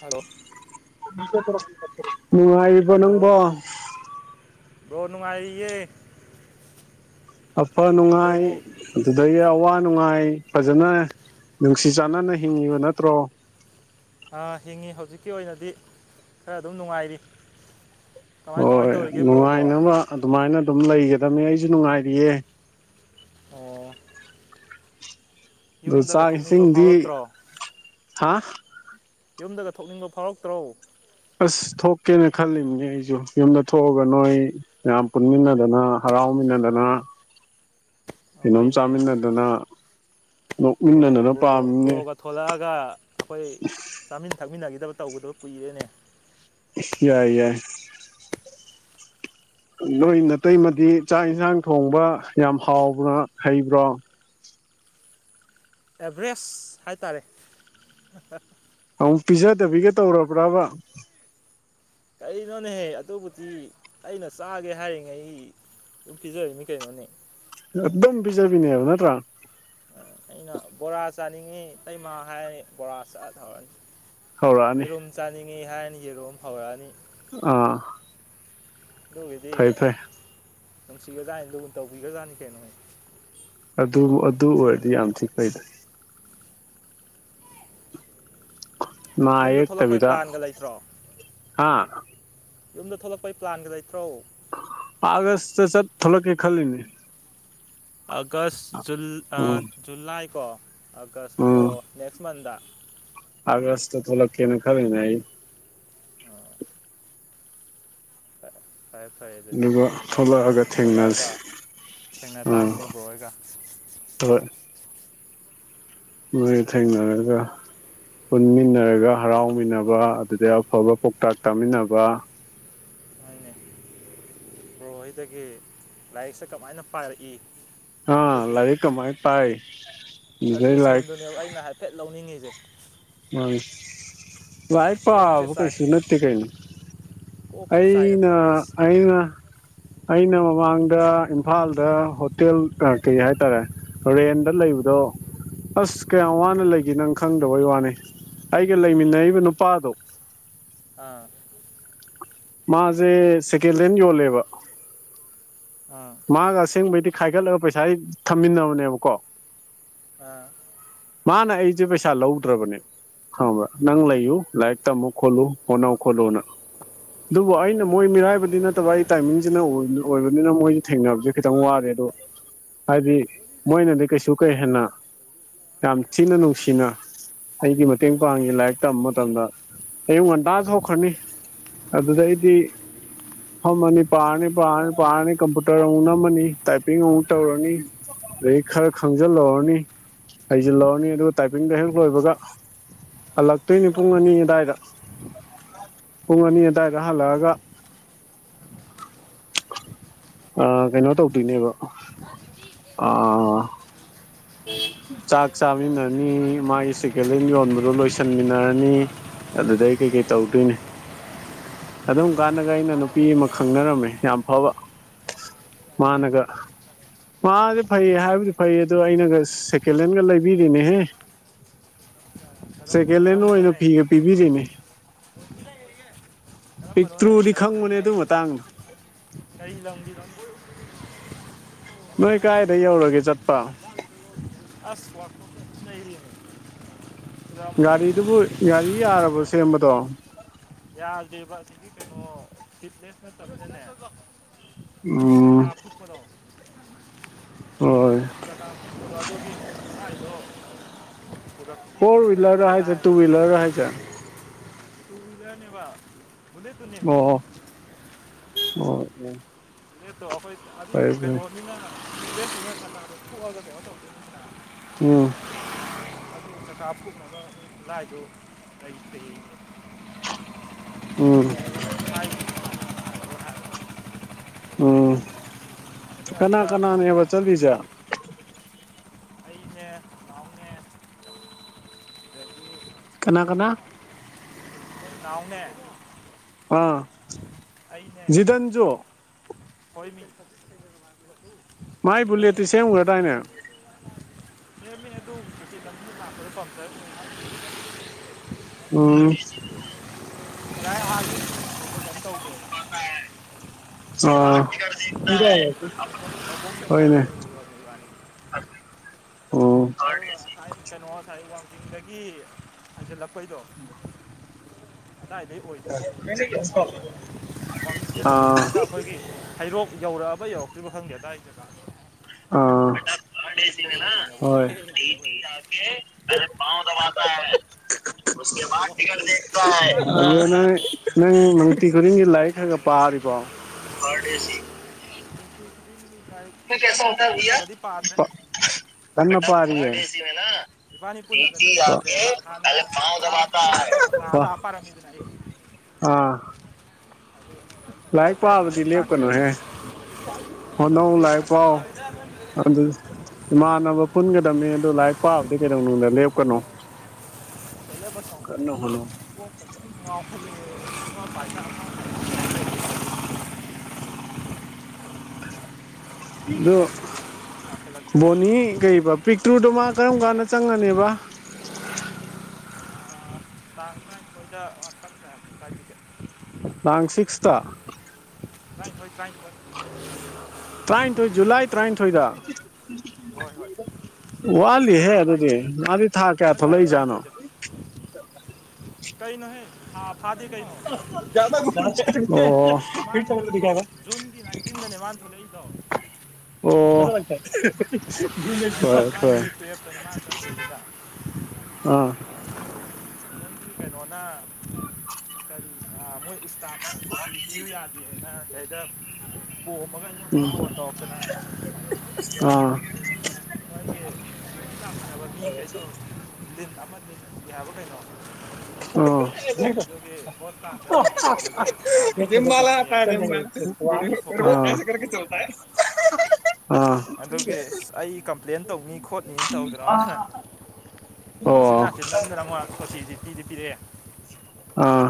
Hello ꯅꯨꯡꯉꯥꯏ hello ꯕꯣ ꯅꯨꯡꯉꯥꯏꯔꯤꯌꯦ ꯑꯐ ꯅꯨꯡꯉꯥꯏ ꯕ꯭ꯔꯣꯕꯨ ꯑꯗꯨꯗꯒꯤ ꯑꯋꯥ ꯅꯨꯡꯉꯥꯏ ꯐꯖꯅ ꯅꯨꯡꯁꯤ ꯆꯥꯟꯅꯅ ꯍꯤꯡꯉꯤꯕ ꯅꯠꯇ꯭ꯔꯣ ꯑ ꯍꯤꯡꯉꯤ ꯍꯧꯖꯤꯛꯀꯤ ꯑꯣꯏꯅꯗꯤ ꯈꯔ ꯑꯗꯨꯝ ꯅꯨꯡꯉꯥꯏꯔꯤ ꯀꯃꯥꯏ ꯀꯃꯥꯏꯅ ꯍꯣꯏ ꯇꯧꯔꯤꯒꯦ ꯕ꯭ꯔꯣꯕꯣ ꯅꯨꯡꯉꯥꯏꯅꯕ ꯑꯗꯨꯃꯥꯏꯅ ꯑꯗꯨꯝ ꯂꯩꯒꯗꯝꯅꯤ ꯑꯩꯁꯨ ꯅꯨꯡꯉꯥꯏꯔꯤꯌꯦ ꯑꯣ ꯑꯗꯣ ꯌꯨꯝꯗꯒ ꯆꯥꯛ ꯊꯣꯛꯅꯤꯡꯕ ꯏꯁꯤꯡꯗꯤ ꯐꯥꯎꯔꯛꯇ꯭ꯔꯣ ꯍꯥ ꯌꯨꯝꯗꯒ ꯊꯣꯛꯅꯤꯡꯕ ꯐꯥꯎꯔꯛꯇ꯭ꯔꯣ ꯑꯁ ꯊꯣꯛꯀꯦꯅ ꯈꯜꯂꯤꯕꯅꯦ ꯑꯩꯁꯨ ꯌꯨꯝꯗ ꯊꯣꯛꯑꯒ ꯅꯣꯏ ꯃꯌꯥꯝ ꯄꯨꯟꯃꯤꯟꯅꯗꯅ ꯍꯔꯥꯎꯃꯤꯟꯅꯗꯅ ꯀꯩꯅꯣꯝ ꯍꯣꯏꯅꯦ ꯆꯥꯃꯤꯟꯅꯗꯅ ꯅꯣꯛꯃꯤꯟꯅꯗꯅ ꯄꯥꯝꯃꯤꯅꯦ ꯊꯂꯛꯑꯒ ꯑꯩꯈꯣꯏ ꯆꯥꯃꯤꯟ ꯊꯛꯃꯤꯟꯅꯈꯤꯗꯕ ꯇꯧꯕꯗꯨ ꯀꯨꯏꯔꯦꯅꯦ ꯏꯁ ꯌꯥꯏ ꯌꯥꯏ ꯅꯣꯏ ꯅꯥꯇꯩꯃꯗꯤ ꯆꯥꯛ ꯏꯟꯁꯥꯡ ꯊꯣꯡꯕ ꯌꯥꯝ ꯍꯥꯎꯕ꯭ꯔꯥ ꯍꯩꯕ꯭ꯔꯣ ꯑꯦꯚꯔꯦꯁ ꯍꯥꯏꯇꯥꯔꯦ ꯑꯃꯨꯛ ꯄꯤꯖꯗꯕꯤꯒ ꯇꯧꯔꯕ꯭ꯔꯕ ꯀꯩꯅꯣꯅꯦꯍꯦ ꯑꯗꯨꯕꯨꯗꯤ ꯑꯩꯅ ꯆꯥꯒꯦ ꯍꯥꯏꯔꯤꯉꯩ ꯗꯨꯝ ꯄꯤꯖꯔꯤꯅꯤ ꯀꯩꯅꯣꯅꯦ ꯑꯗꯨꯝ ꯄꯤꯖꯕꯤꯅꯦꯕ ꯅꯠꯇ꯭ꯔꯥ ꯑꯩꯅ ꯕꯣꯔꯥ ꯆꯥꯅꯤꯡꯉꯤ ꯏꯇꯩꯃꯥ ꯍꯥꯏꯔꯦ ꯕꯣꯔꯥ ꯆꯠ ꯊꯧꯔꯅꯤ ꯍꯧꯔꯛꯑꯅꯤ ꯌꯦꯔꯨꯝ ꯆꯥꯅꯤꯡꯉꯤ ꯍꯥꯏꯅꯤ ꯌꯦꯔꯨꯝ ꯍꯧꯔꯛꯑꯅꯤ ꯑꯥ ꯑꯗꯨꯒꯤꯗꯤ ꯐꯩ ꯐꯩ ꯅꯨꯡꯁꯤꯒꯖꯥꯠꯅꯤ ꯂꯨꯄ ꯇꯧꯕꯤꯒ꯭ꯔꯖꯥꯅꯤ ꯀꯩꯅꯣ ꯑꯗꯨꯕꯨ ꯑꯗꯨ ꯑꯣꯏꯔꯗꯤ ꯌꯥꯝ ꯊꯤ ꯐꯩꯗ ꯅꯥ ꯌꯨꯝꯗ ꯌꯦꯛ ꯊꯣꯛꯂꯛꯄꯩ ꯇꯕꯤꯗ ꯄ꯭ꯂꯥꯟꯒ ꯂꯩꯇ꯭ꯔꯣ ꯍꯥꯥ ꯌꯨꯝꯗ ꯊꯣꯛꯂꯛꯄꯩ ꯄ꯭ꯂꯥꯟꯒ ꯂꯩꯇ꯭ꯔꯣ ꯑꯥꯒꯁ ꯇ ꯆꯠ ꯊꯣꯂ ꯀꯦ ꯈꯜꯂꯤꯅꯤ ꯑꯥꯒꯁ ꯖꯨꯟ ꯑꯥ ꯎꯝ ꯖꯨꯂꯥꯏ ꯀꯣ ꯑꯥꯒꯁ ꯑꯣ ꯅꯦꯛꯁ ꯃꯟꯗ ꯑꯒꯁꯇ ꯊꯣꯛ ꯂꯛꯀꯦ ꯈꯜꯂꯤꯅꯤ ꯑꯩ ꯐꯔꯦ ꯐꯔꯦ ꯑꯗꯨꯗꯤ ꯑꯗꯨꯒ ꯑꯗꯨꯗ ꯊꯣꯛꯂꯛꯑꯒ ꯊꯦꯡꯅꯁꯤ ꯊꯣꯛꯂꯛꯑꯒ ꯊꯦꯡꯅ ꯎꯝ ꯇꯥꯃꯤꯟꯅꯦ ꯕ꯭ꯔꯣ ꯑꯣꯢꯒ ꯍꯣꯏ ꯃꯣꯏ ꯊꯦꯡꯅꯔꯒ ꯄꯨꯟꯃꯤꯟꯅꯔꯒ ꯍꯔꯥꯎꯃꯤꯟꯅꯕ ꯑꯗꯨꯗꯩ ꯑꯐꯕ ꯄꯥꯎꯇꯥꯛ ꯇꯥꯃꯤꯟꯅꯕ ꯍꯣꯏꯅꯦ ꯕ꯭ꯔꯣꯍ‌ꯣꯏꯗꯒꯤ ꯂꯥꯏꯔꯤꯛꯁꯦ ꯀꯃꯥꯏꯅ ꯄꯥꯏꯔꯛꯏ ꯑꯥ ꯂꯔꯤꯛ ꯀꯃꯥꯏ ꯄꯥꯏ ꯑꯗꯨꯗꯩ ꯂꯥꯏꯔꯤꯛ ꯁꯖꯦꯁꯟꯗꯨꯅꯦꯕ ꯑꯩꯅ ꯍꯥꯏꯐꯦꯠ ꯂꯧꯅꯤꯡꯉꯤꯁꯦ ꯃꯥꯅꯤ ꯂꯥꯢꯛ ꯀꯣꯛꯁꯦ ꯄꯥꯕꯨ ꯆꯥꯏ ꯀꯩꯁꯨ ꯅꯠꯇꯦ ꯀꯩꯅꯣ ꯀꯣꯛꯁꯦ ꯑꯩꯅ ꯆꯥꯏꯔꯛꯇꯧꯔꯦ ꯑꯩꯅ ꯑꯩꯅ ꯃꯃꯥꯡꯗ ꯏꯝꯐꯥꯜꯗ ꯍꯣꯇꯦꯜ ꯀꯩ ꯍꯥꯏꯇꯥꯔꯦ ꯔꯦꯟꯗ ꯂꯩꯕꯗꯣ ꯑꯁ ꯀꯌꯥꯝ ꯋꯥꯅ ꯂꯩꯒꯤ ꯅꯪ ꯈꯪꯗꯕꯩ ꯋꯥꯅꯤ꯫ ꯑꯩꯒ ꯂꯩꯃꯤꯟꯅꯔꯤꯕ ꯅꯨꯄꯥꯗꯣ꯫ ꯑꯥ꯫ ꯃꯥꯁꯦ ꯁꯦꯀꯦꯟ ꯍꯦꯟ ꯌꯣꯜꯂꯦꯕ꯫ ꯑꯥ꯫ ꯃꯥꯒ ꯑꯁꯦꯡꯕꯩꯗꯤ ꯈꯥꯏꯒꯠꯂꯒ ꯄꯩꯁꯥ ꯊꯝꯃꯤꯟꯅꯕꯅꯦꯕꯀꯣ꯫ ꯑ꯫ ꯃꯥꯅ ꯑꯩꯁꯦ ꯄꯩꯁꯥ ꯂꯧꯗ꯭ꯔꯕꯅꯦ ꯈꯪꯕ꯭ꯔ ꯅꯪ ꯂꯩ ꯏꯌꯨ ꯂꯥꯏꯔꯤꯛ ꯇꯝꯃꯨ ꯈꯣꯟꯂꯨ ꯍ‌ꯣꯠꯅꯧ ꯈꯣꯠꯅꯧꯅ꯫ ꯑꯗꯨꯕꯨ ꯑꯩꯅ ꯃꯣꯏ ꯃꯤꯔꯥꯏꯕꯗꯤ ꯅꯠꯇꯕ ꯑꯩ ꯇꯥꯏꯃꯤꯡꯁꯤꯅ ꯑꯣꯏꯕꯅꯤꯅ ꯃꯣꯏ ꯊꯦꯡꯅꯕꯁꯦ ꯈꯤꯇꯪ ꯋꯥꯔꯦ ꯑꯗꯣ ꯍꯥꯏꯗꯤ ꯃꯣꯏꯅꯗꯤ ꯀꯩꯁꯨ ꯀꯩ ꯍꯦꯟꯅ ꯌꯥꯝ ꯊꯤꯅ ꯅꯨꯡꯁꯤꯅ꯫ ꯑꯩꯒꯤ ꯃꯇꯦꯡ ꯄꯥꯡꯉꯤ ꯂꯥꯏꯔꯤꯛ ꯇꯝꯕ ꯃꯇꯝꯗ ꯑꯌꯨꯛ ꯉꯟꯇꯥꯅ ꯊ‌ꯣꯛꯈ꯭ꯔꯅꯤ ꯑꯗꯨꯗꯩꯗꯤ ꯐꯥꯝꯃꯅꯤ ꯄꯥꯅꯤ ꯄꯥꯅꯤ ꯄꯥꯅꯤ ꯀꯝꯄ ꯄꯨꯇꯔ ꯑꯃꯨꯛ ꯅꯝꯃꯅꯤ ꯇꯥꯏꯄꯤꯡ ꯑꯃꯨꯛ ꯇꯧꯔꯅꯤ ꯑꯗꯩꯩ ꯈꯔ ꯈꯪꯖꯤꯜꯍꯧꯔꯅꯤ꯫ ꯍꯩꯖꯤꯜꯍꯧꯔꯅꯤ ꯑꯗꯨꯒ ꯇꯥꯏꯄꯤꯡꯗꯣ ꯍꯦꯛ ꯂꯣꯏꯕꯒ꯫ ꯍꯜꯂꯛꯇꯣꯏꯅꯦ ꯄꯨꯡ ꯑꯅꯤ ꯑꯗꯨꯋꯥꯏꯗ ꯄꯨꯡ ꯑꯅꯤ ꯑꯗꯨꯋꯥꯏꯗ ꯍꯜꯂꯛꯑꯒ꯫ ꯑ ꯀꯩꯅꯣ ꯇꯧꯗꯣꯏꯅꯦꯕ ꯑꯥ꯫ [unintelligible] ꯆꯥꯛ ꯆꯥꯃꯤꯟꯅꯅꯤ ꯃꯥꯒꯤ ꯁꯦꯀꯦꯟ ꯍꯦꯟ ꯌꯣꯟꯕꯗ‌ꯣ ꯂꯣꯏꯁꯟꯃꯤꯟꯅꯔꯅꯤ꯫ ꯑꯗꯨꯗ ꯑꯩ ꯀꯩꯀꯩ ꯇꯧꯗꯣꯏꯅꯦ꯫ ꯑꯗꯨꯝ ꯀꯥꯟꯗꯒ ꯑꯩꯅ ꯅꯨꯄꯤ ꯑꯃ ꯈꯪꯅꯔꯝꯃꯦ ꯌꯥꯝ ꯐꯕ꯫ ꯃꯥꯅꯒ ꯃꯥꯗꯤ ꯐꯩ ꯍꯥꯏꯕꯗꯤ ꯐꯩ ꯑꯗꯨꯗ ꯑꯩꯅꯒ ꯁꯦꯀꯦꯟ ꯍꯦꯟꯒ ꯂꯩꯕꯤꯔꯤꯅꯦꯍꯦ ꯀꯔꯝꯕ ꯁꯦꯀꯦꯟ ꯍꯦꯟ ꯑꯣꯏꯅ ꯀꯔꯝꯕꯅꯣꯅꯦ ꯄꯤꯌꯦ ꯄꯤꯕꯤꯔꯤꯅꯤ꯫ ꯀꯔꯝꯕꯅꯣꯅꯦ ꯄꯤꯛꯇ꯭ꯔꯨꯗꯤ ꯈꯔ ꯀꯔꯤ ꯈꯪꯕꯅꯦ ꯑꯗꯨ ꯂꯝꯒꯤꯅꯣ ꯃꯇꯥꯡꯗꯣ꯫ [unintelligible] ꯅꯣꯏ ꯀꯥꯏꯗ ꯌꯧꯔꯒꯦ ꯆꯠꯄ꯫ ꯑꯁ ꯋꯥꯁ‌ꯣꯞꯇ ꯑꯗꯨꯝ ꯂꯩꯔ‌ꯦ ꯒꯥꯔꯤꯗꯨꯕꯨ ꯒꯥꯔꯤ ꯌꯥꯔꯕ꯭ꯔꯣ ꯁꯦꯝꯕꯗꯣ꯫ ꯌꯥꯗꯦꯕ ꯑꯁꯤꯒꯤ ꯀꯩꯅꯣ ꯐꯤꯠꯅꯦꯁ ꯅꯠꯇꯕꯅꯤꯅꯅꯦ꯫ ꯑꯣ꯫ ꯆꯀꯥꯞ ꯐꯨꯛꯄꯗꯣ ꯍꯣꯏ ꯆꯀꯥꯞ ꯐꯨꯛ [unintelligible] ꯐꯣꯔ ꯍ꯭ꯋꯤꯜꯂꯔ ꯍꯥꯏꯁꯦ ꯇꯨ ꯍ꯭ꯋꯤꯜꯂꯔ ꯍꯥꯏꯁꯦ꯫ ꯇꯨ ꯍ꯭ꯋꯤꯜꯂꯔꯅꯤꯕ꯫ ꯑꯣ ꯑꯣ ꯑ‌ꯣ ꯌꯥꯏ꯫ ꯑꯗꯨꯗꯣ ꯑꯩꯈꯣꯏ ꯑꯗꯨ꯫ [inaudible] ꯎꯝ꯫ ꯑꯗꯨ ꯆꯀꯥ ꯐꯨꯛꯅꯕ ꯈꯨꯂꯥꯏꯗ‌ꯣ ꯂꯩꯇ‌ꯦꯌꯦ꯫ ꯎꯝ꯫ ꯃꯣꯏ ꯍꯥꯏ ꯎꯝ ꯑꯗꯨꯅ ꯀꯅꯥ ꯁꯤꯗ ꯀꯅꯥꯅꯦꯕ ꯆꯠꯂꯤꯁꯦ꯫ ꯑꯩꯅꯦ [unintelligible] ꯑꯗꯒꯤ ꯅꯣꯏ ꯀꯅꯥ ꯀꯅꯥ꯫ ꯅꯥꯎꯅꯦ꯫ ꯑꯥ ꯖꯤꯗꯟꯖꯨ꯫ ꯍꯣꯏꯃꯤ꯫ ꯃꯥꯏ ꯕꯨꯂꯦꯠꯇꯤ ꯁꯦꯝꯒ꯭ꯔꯥꯗꯥꯥꯏꯅꯦ꯫ ꯁꯦꯃꯤ ꯑꯗꯨ꯫ [inaudible] ꯎꯝ꯫ [unintelligible] [unintelligible] ꯏꯕꯥꯅꯤ ꯑꯥ ꯉꯁꯥꯏ ꯂꯧꯕꯨꯛꯇ ꯉꯥꯏꯒ ꯍꯣꯏꯅꯦ ꯌꯧꯔꯨꯔꯕꯅꯤ ꯏꯕꯥꯅꯤ [unintelligible] ꯑꯗꯨꯒ ꯑꯩ ꯀꯩꯅꯣ ꯉꯁꯥꯏ ꯋꯥꯡꯆꯤꯡꯗꯒꯤ ꯍꯟꯖꯜꯂꯛꯄꯩꯗꯣ [inaudible] ꯀꯗꯥꯏꯗꯒꯩ ꯑꯣꯏꯗꯣꯏꯅ ꯐꯪ ꯋꯥꯡꯖꯤꯡ ꯗ ꯍꯥꯏꯒꯜꯂꯛꯑꯒ ꯑꯩꯈꯣꯏꯒꯤ ꯍꯩꯔꯣꯛ ꯌꯧꯔꯛꯑꯕ ꯌꯧꯔꯛꯇ꯭ꯔꯤꯕ ꯈꯪꯗꯦ ꯑꯗꯥꯋꯥꯏꯗ ꯑ ꯍꯣꯏ ꯁꯣꯏ [unintelligible] ꯀꯗꯥꯏ ꯌꯧꯈ꯭ꯔꯒꯦ [unintelligible] ꯑꯅꯤꯗꯣ ꯅꯪ ꯅꯨꯡꯇꯤ ꯈꯨꯗꯤꯡꯒꯤ ꯂꯥꯏꯔꯤꯛ ꯈꯔ ꯈ ꯄꯥꯔꯤꯕꯣ ꯕꯥꯅꯤ ꯀꯨꯜꯂꯛꯒꯗꯤ ꯄꯥꯗ꯭ꯔꯦ ꯀꯟꯅ‌ ꯄꯤꯔꯤ ꯄꯨꯜꯂꯒꯗꯤ ꯄꯥꯗ꯭ꯔꯦꯕ ꯍꯥꯟꯅ ꯑꯥ ꯅꯣꯏꯗ ꯂꯥꯛꯑ ꯂꯥꯛꯑ [unintelligible] ꯄꯥꯔꯝꯃꯤꯗꯅ ꯑꯩ ꯑꯥ ꯂꯥꯏꯔꯤꯛ ꯄꯥꯕꯗꯤ ꯂꯥꯛꯇꯤ ꯂꯥꯛꯇ꯭ꯔꯦꯕ ꯂꯦꯞꯀꯅꯨꯍꯦ ꯍꯣꯅꯧ ꯍꯧꯖꯤꯛ ꯂꯥꯏꯔꯤꯛ ꯈꯔ ꯄꯥꯎ ꯈꯔ ꯄꯥꯔꯦ ꯑꯗꯨ ꯏꯃꯥꯟꯅꯕ ꯄꯨꯟꯒꯗꯕꯅꯤ ꯑꯗ‌ꯣ ꯂꯥꯏꯔꯤꯛ ꯄꯥꯕꯗꯤ ꯀꯩꯗꯧꯅꯨꯡꯗ ꯂꯦꯞꯀꯅꯣ ꯀꯟꯅ ꯍꯣꯠꯅꯧ [unintelligible] ꯑꯗꯨ ꯕꯣꯅꯤ ꯀꯔꯤꯕ ꯄꯤꯛꯇ꯭ꯔꯨꯗꯣ ꯃꯥ ꯀꯔꯝ ꯀꯥꯟꯗ ꯆꯪꯉꯅꯦꯕ [unintelligible] ꯅꯥꯡ ꯁꯤꯛꯁꯇ ꯇꯥꯏꯊꯣꯏ-ꯇꯥꯏꯊꯣꯏ ꯇꯔꯥꯥꯏꯅꯤꯊꯣꯏ ꯖꯨꯂꯥꯏ ꯇꯔꯥꯅꯤꯊꯣꯏꯗ ꯍꯣꯏ ꯍꯣꯏ ꯋꯥꯠꯂꯤꯍꯦ ꯍꯟꯗꯛꯀꯤ ꯑꯗꯨꯗꯤ ꯂꯥꯛꯏꯕꯗꯨ ꯃꯥꯗꯤ ꯊꯥ ꯀꯌꯥ ꯊꯣꯛꯂꯛꯏꯖꯥꯠꯅꯣ ꯀꯥꯏꯅꯣꯍꯥ ꯍ ꯐꯥꯗ‌ꯦ ꯀꯩ ꯃꯃꯥꯡ [unintelligible] ꯖꯨꯟꯒꯤ ꯅꯥꯏꯟꯇꯤꯟꯗꯅꯦ ꯃꯥꯟ ꯊꯣꯛꯂꯛꯏꯗꯣ ꯑꯣ ꯍꯣꯏ ꯍ‌ꯣꯏ ꯖꯨꯂꯥꯏꯒꯤ ꯇꯨꯌꯦꯜꯞꯇꯅꯦ ꯃꯥꯅ ꯆꯪꯉꯤꯁꯤꯗ ꯑꯥ ꯅꯪꯒꯤ ꯀꯩꯅꯣꯅ ꯃꯣꯏ ꯏꯁꯇꯥꯞ ꯀꯨꯇꯤ ꯄꯤꯌꯨ ꯌꯥꯗꯦ ꯍꯥꯏꯅ ꯁꯤꯗꯩꯗ ꯄꯣꯝꯃꯒ ꯑꯩꯉꯣꯟ ꯎꯝ ꯐꯣꯟ ꯇꯧꯔꯛꯇꯅ ꯑꯥ ꯃꯒꯤ ꯃꯥꯟꯅꯕ ꯃꯤꯈꯩꯗ‌ꯣ ꯂꯤꯟ ꯑꯃ ꯂꯤꯁꯤꯟꯒꯦ ꯍꯥꯏꯕ ꯀꯩꯅꯣ ꯑꯗꯨꯒꯤ [inaudible] ꯍꯣꯁꯄꯤꯇꯥꯜꯗ ꯆꯠꯈꯤꯕꯒꯤ ꯃꯥꯗꯤ ꯐꯃꯦꯅ [unintelligible] ꯁꯨꯇꯤ ꯊꯣꯛꯄ ꯌꯥꯔꯣꯏꯅ ꯇꯧꯋꯦꯅ [unintelligible] ꯑꯗꯨꯒꯤ ꯑꯩ ꯀꯝꯄ꯭ꯂꯦꯟ ꯇꯥꯏꯅꯤ ꯈꯣꯠꯅꯤ ꯇꯣꯏꯗ ꯃꯅ ꯑꯣ ꯎꯌꯥꯟ ꯅꯌꯥꯟ ꯅꯝꯗꯅ ꯆꯥꯝꯃꯉꯥ ꯁꯣꯇꯤꯁꯤ ꯄꯤꯗꯤ ꯄꯤꯔꯛꯑꯦ ꯑꯥ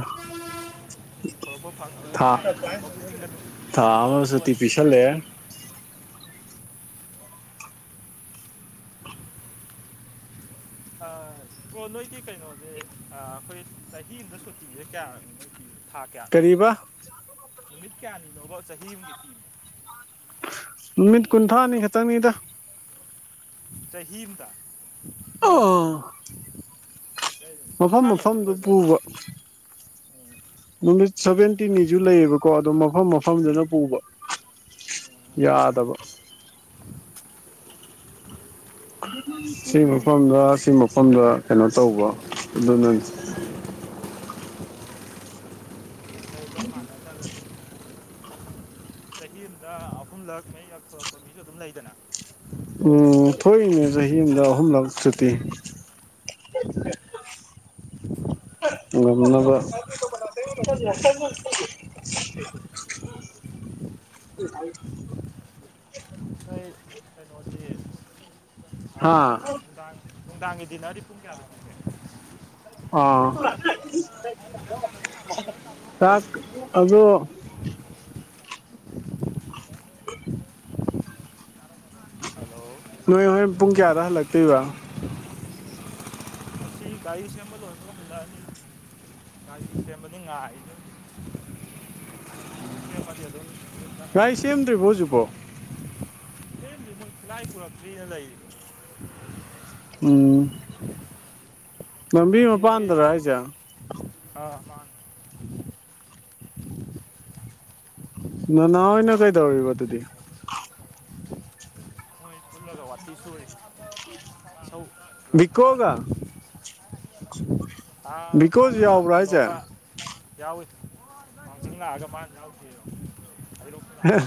ꯊꯣꯔꯛꯄ ꯐꯪꯉꯔꯣꯏ ꯊꯥ ꯃꯥ ꯇꯧꯔꯛꯄ ꯄꯨꯛꯅꯤꯡꯒ ꯊꯥ ꯀꯩꯅꯣ ꯑꯃ ꯇꯧꯔꯤ ꯄꯣꯠꯅꯤ ꯁꯇꯤ ꯄꯤꯁꯜ ꯂꯩꯦ ꯀꯣ ꯅꯣꯏꯒꯤ ꯀꯩꯅꯣꯁꯦ ꯑꯩꯈꯣꯏ ꯆꯍꯤ ꯑꯃꯝꯗ ꯁꯨꯇꯤꯁꯦ ꯀꯌꯥꯦ ꯅꯣꯏ ꯊꯥ ꯀꯌꯥ ꯀꯔꯤꯕ ꯅꯨꯃꯤꯠ ꯀꯌꯥꯅꯤ ꯂꯣꯒꯣ ꯆꯍꯤꯍꯤꯒꯤꯇ ꯅꯨꯃꯤꯠ ꯀꯨꯟꯊ꯭ꯔꯥꯅꯤ ꯈꯈꯤꯛꯇꯪꯅꯤꯗ ꯆꯍꯤꯍꯤꯗ ꯎꯝ ꯃꯐꯝ ꯀꯨꯟꯊ꯭ꯔꯥꯅꯤ ꯈꯛꯇ ꯃꯐꯝꯗꯨ ꯑꯣꯏꯕ꯭ꯔꯅꯦ ꯄꯨꯕ ꯎꯝ ꯅꯨꯃꯤꯠ ꯁꯚꯦꯟꯇꯤꯟꯅꯤꯁꯨ ꯂꯩꯌꯦꯕꯀꯣ ꯑꯗꯣ ꯃꯐꯝ ꯃꯐꯝꯗꯅ ꯄꯨꯕ ꯌꯥꯗꯕ [unintelligible] ꯁꯤ ꯃꯐꯝꯗ ꯁꯤ ꯃꯐꯝꯗ ꯀꯩꯅꯣ ꯇꯧꯕ ꯑꯗꯨꯅꯅꯤ ꯂꯩꯕ ꯃꯥꯟꯅꯗ꯭ꯔꯒꯁꯨ ꯆꯍꯤ ꯑꯃꯗ ꯑꯍꯨꯝꯂꯛ ꯃꯔꯤꯔꯛ ꯊꯂꯛꯄ ꯃꯤꯁꯨ ꯑꯗꯨꯝ ꯂꯩꯗꯅ ꯎꯝ ꯊꯣꯛꯏꯅꯦ ꯆꯍꯤ ꯑꯃꯗ ꯑꯍꯨꯝꯂꯛ ꯁꯨꯠꯇꯤ ꯅꯅꯕ [unintelligible] ꯎꯝ ꯑꯩꯏ ꯍꯥ ꯑ ꯅꯨꯡꯗꯥꯥꯡꯒꯤꯗꯤꯅꯔꯤꯄꯨꯡ ꯀꯌꯥ ꯑꯥ ꯆꯥꯛ ꯑꯗꯨ ꯍꯜꯂꯣ ꯅꯣꯏ ꯍꯣꯔꯦꯟ ꯄꯨꯡ ꯀꯌꯥꯗ ꯍꯜꯂꯛꯇꯣꯏꯕ ꯁꯤ ꯏ ꯁꯦꯝꯕꯔꯗꯣꯏ ꯄꯟꯖ ꯒꯥꯔꯤ ꯁꯦꯝꯕꯗꯤ ꯉꯥꯢ ꯒꯥꯔꯤ ꯁꯦꯝꯗ꯭ꯔꯤꯕꯣ ꯍꯧꯖꯤꯛꯄꯣ [unintelligible] [unintelligible] ꯂꯥꯏ ꯄꯨꯔꯛꯇ꯭ꯔꯤꯅ ꯂꯩꯔꯤ ꯎꯝ ꯂꯝꯕꯤ ꯁꯤꯒꯤ ꯃꯄꯥꯟꯗꯔ ꯍꯥꯏꯁꯦ [unintelligible] ꯎ ꯅ ꯅ ꯍꯣꯏ ꯑꯣꯏꯅ ꯀꯩꯗꯧꯔꯤꯕ ꯑꯗꯨꯗꯤ ꯄꯨꯜꯂꯒ ꯋꯊꯤ ꯁꯨꯔꯤ ꯏꯁꯧ ꯕꯤꯀꯣꯒ ꯑ ꯃꯥ ꯕꯤꯀꯣꯁꯨ ꯌꯥꯎꯕ꯭ꯔꯥ ꯍꯥꯏꯁꯦ ꯀꯩꯅꯣꯒ ꯌꯥꯎꯏ ꯃꯥꯡꯁꯤꯡ ꯂꯥꯛꯑꯒ ꯃꯥ ꯌꯥꯎꯗꯦ ꯑꯗꯨ ꯑꯝ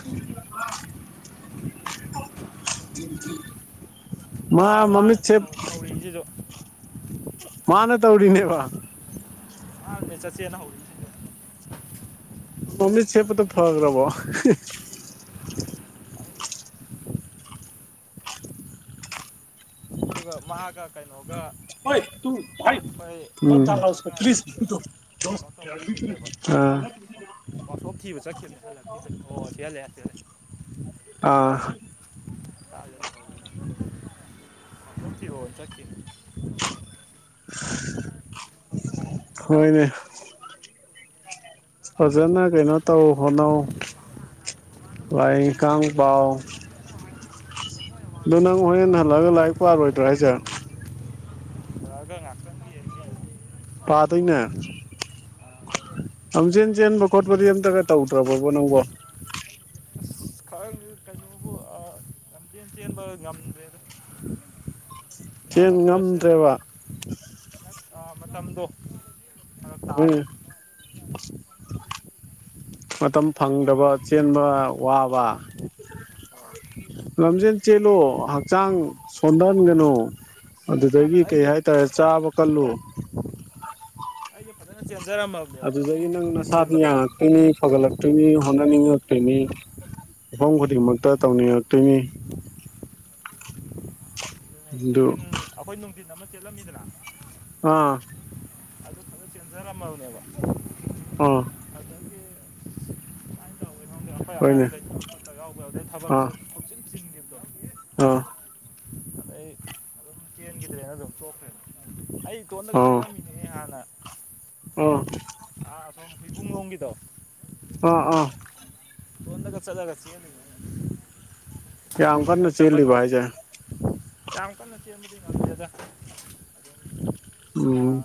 ꯃꯥ ꯃꯃꯤꯁꯦ ꯍꯔꯦꯟꯁꯤꯗ ꯃꯥꯅ ꯇꯧꯔꯤꯅꯦꯕ ꯑ ꯅꯦ ꯆꯁꯤꯦꯅ ꯍꯧ ꯃꯃꯤꯠ ꯁꯦꯞꯄꯗꯣ ꯐꯈꯔꯕꯣ ꯑꯗꯨꯒ ꯃꯍꯥꯛꯒ ꯀꯩꯅꯣꯒ ꯍꯣꯏ ꯇꯨ ꯍꯣꯏ ꯑꯥ ꯑꯁꯣꯝ ꯊꯤꯕ ꯆꯠꯈꯤꯕꯅꯦ ꯍꯜꯂꯤ ꯑꯣ ꯁꯤ ꯍꯜꯂꯦ ꯑꯁꯤ ꯍꯍꯜꯂꯦ ꯑꯥ ꯀꯠꯇꯤꯒ ꯆ ꯀ ꯍꯣꯏ ꯅꯦ ꯐꯖꯅ ꯀꯩꯅꯣ ꯇꯧ ꯐꯣꯅꯎ ꯂꯥꯏꯔꯤꯛ ꯀꯟꯅ ꯄꯥꯎ ꯑꯗꯨꯣ ꯅꯪ ꯍꯣꯔꯦꯟ ꯍꯜꯂꯛꯑꯒ ꯂꯥꯏꯔꯤꯛ ꯄꯥꯔꯣꯏꯗ꯭ꯔꯥ ꯍꯥꯏꯁꯦ ꯑ ꯉ ꯄꯥꯗꯣꯏꯅꯦ ꯂꯝꯖꯦꯟ ꯆꯦꯟꯕ ꯈꯣꯠꯄꯗꯤ ꯑꯝꯇꯒ ꯇꯧꯗ꯭ꯔꯕꯕꯣ ꯅꯪꯕꯣ ꯑꯁ ꯈꯥꯪ ꯀꯩꯅꯣꯕꯨ ꯂꯝꯖꯦꯜ ꯆꯦꯟꯕ ꯉꯝꯗ꯭ꯔꯦꯗ ꯆꯦꯡ ꯉꯝꯗ꯭ꯔꯦꯕ ꯃꯇꯝꯗꯣ ꯍꯣꯏ ꯇꯥꯕ ꯃꯇꯝ ꯐꯔꯛ ꯐꯪꯗꯕ ꯇꯥꯗꯅ ꯆꯦꯟꯕ ꯋꯥꯕ ꯂꯝꯖꯦꯜ ꯆꯦꯜꯂꯣ ꯍꯛꯆꯥꯡ ꯁꯣꯟꯊꯟꯒꯅꯨ ꯍꯥꯟꯅ ꯑꯗꯨꯗꯒꯤ ꯀꯩ ꯑꯩꯁꯦ ꯍꯥꯏꯇꯥꯔꯦ ꯆꯥꯕ ꯀꯜꯂꯨ ꯑꯩꯁ ꯐꯖꯅ ꯆꯦꯟꯖꯔꯝꯃꯕ ꯑꯗꯨꯗꯒꯤ ꯅꯪꯅ ꯁꯥꯕ ꯄꯨꯛꯅꯤꯛ ꯁꯧꯒꯠꯂꯛꯇꯣꯏꯅꯤ ꯍꯣꯠꯅꯅꯤꯡꯉꯛꯇꯣꯏꯅꯤ ꯃꯐꯝ ꯈꯨꯗꯤꯡꯃꯛꯇ ꯇꯧꯅꯤꯡꯉꯛꯇꯣꯏꯅꯤ ꯑꯗꯨ ꯅꯨꯡꯊꯤꯟ ꯑꯩꯈꯣꯏ ꯅꯨꯡꯊꯤꯟ ꯑꯃ ꯆꯦꯜꯂꯝꯃꯤꯗꯅ ꯑꯥ ꯑꯗꯨ ꯈꯔ ꯆꯦꯟꯖꯔꯝꯃꯕꯅꯦꯕ ꯑꯥ ꯑꯗꯒꯤ ꯁꯨꯃꯥꯏꯅ ꯇꯧꯒꯦꯅ ꯈꯪꯗꯦ ꯑꯩꯈꯣꯏ ꯍꯣꯏꯅꯦ ꯑꯉꯥꯡꯒꯩ ꯍꯧꯒꯠ ꯌꯥꯎꯗꯕꯗꯩ ꯊꯕꯛꯇꯣ ꯍꯨꯞꯆꯤꯟ ꯆꯤꯟꯒꯤꯕꯗꯣ ꯑ ꯑꯗꯩ ꯑꯗꯨꯝ ꯆꯦꯟꯒꯤꯗ꯭ꯔꯦꯅ ꯑꯗꯨꯝ ꯇꯣꯛꯈ꯭ꯔꯦꯅ ꯑꯩ ꯏꯇꯣꯟꯗꯒ ꯆꯦꯜꯂꯝꯃꯤꯅꯦꯍꯦ ꯍꯥꯟꯅ ꯎꯝ ꯑꯥ ꯑꯁꯣꯝ ꯍꯨꯏꯕꯨꯡ ꯂꯣꯝꯒꯤꯗꯣ ꯑꯥ ꯑꯥ ꯏꯇꯣꯟꯗꯒ ꯆꯠꯂꯒ ꯆꯦꯜꯂꯨꯏꯅꯦ ꯑꯩꯅ ꯌꯥꯝ ꯀꯟꯅ ꯆꯦꯜꯂꯤꯕ ꯍꯥꯏꯁꯦ ꯌꯥꯝ ꯀꯟꯅ ꯆꯦꯟꯕꯗꯤ ꯉꯝꯗꯦꯗꯥ ꯑꯗꯨꯝ ꯎꯝ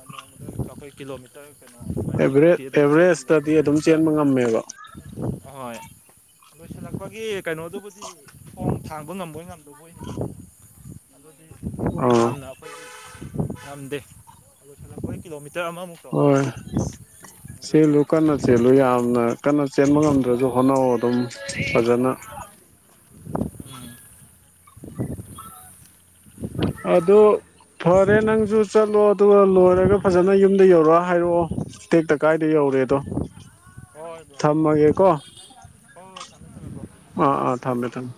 ꯀꯥ [unintelligible] [unintelligible] ꯑꯩꯈꯣꯏ ꯀꯤꯂꯣꯃꯤꯇꯔ ꯀꯩꯅꯣ ꯑꯦꯚꯔꯦꯖ ꯃꯔꯤꯃꯨꯛꯇꯤ ꯑꯗꯨꯝ ꯆꯦꯟ [unintelligible] ꯑꯦꯚꯔꯦꯖꯇꯗꯤ ꯑꯗꯨꯝ ꯑꯦꯚꯔꯦꯁꯇ ꯆꯦꯟꯕ ꯉꯝꯃꯦꯕ ꯑꯍꯣꯏ ꯂꯣꯏꯁꯤꯜꯂꯛꯄꯒꯤ ꯀꯩꯅꯣꯗꯨꯕꯨꯗꯤ ꯈꯣꯡ ꯊꯥꯡꯕ ꯉꯝꯕꯣꯏ ꯉꯝꯗꯕꯣꯏ ꯑꯗꯨꯗꯤ ꯑꯥ ꯌꯥꯝꯅ ꯑꯈꯣꯏꯗꯤ ꯉꯝꯗꯦ ꯂꯣꯏꯁꯜꯂꯛꯄꯩ ꯀꯤꯂꯣꯃꯤꯇꯔ ꯑꯃꯃꯨꯛ ꯍꯣꯏ ꯆꯦꯜꯂꯨ ꯀꯟꯅ ꯆꯦꯜꯂꯨ ꯌꯥꯝꯅ ꯀꯟꯅ ꯆꯦꯟꯕ ꯉꯝꯗ꯭ꯔꯁꯨ ꯍꯣꯠꯅꯧꯑꯣ ꯑꯗꯨꯝ ꯐꯖꯅ ꯎꯝ ꯑꯗꯣ ꯐꯔꯦ ꯅꯪꯁꯨ ꯆꯠꯂꯣ ꯑꯗꯨꯒ ꯂꯣꯏꯔꯒ ꯐꯖꯅ ꯌꯨꯝꯗ ꯌꯧꯔꯛꯑ ꯍꯥꯏꯔꯛꯑꯣ ꯇꯦꯛꯇ ꯀꯥꯏꯗ ꯌꯧꯔꯦꯗꯣ ꯍꯣꯏ ꯕ꯭ꯔꯣ ꯍꯣꯏ ꯊꯝꯃꯒꯦꯀꯣ ꯍꯣꯏ ꯊꯝꯃꯦ ꯊꯝꯃꯦ ꯕ꯭ꯔꯣ ꯑꯥ ꯑꯥ ꯊꯝꯃꯦ ꯊꯝꯃꯦ